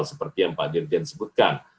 seperti yang pak dirjen sebutkan